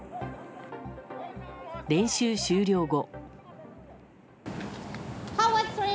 練習終了後。